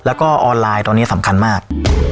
แล้วก็ออนไลน์ตอนนี้สำคัญมาก